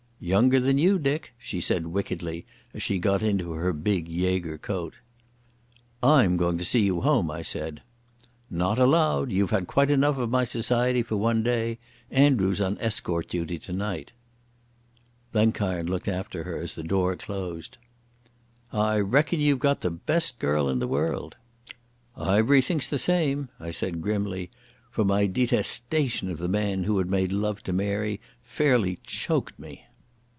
"Younger than you, Dick," she said wickedly as she got into her big Jaeger coat. "I'm going to see you home," I said. "Not allowed. You've had quite enough of my society for one day. Andrew's on escort duty tonight." Blenkiron looked after her as the door closed. "I reckon you've got the best girl in the world." "Ivery thinks the same," I said grimly, for my detestation of the man who had made love to Mary fairly choked me.